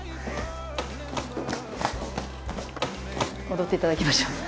踊っていただきましょう。